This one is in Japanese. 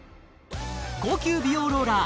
高級美容ローラー